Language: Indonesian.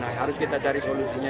nah harus kita cari solusinya